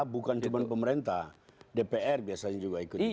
bukan cuman pemerintah dpr biasanya juga ikutin gitu